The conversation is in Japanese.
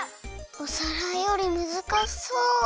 お皿よりむずかしそう。